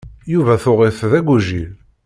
Yuba tuɣ-it d agujil.